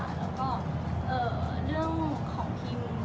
แล้วก็เรื่องของคิว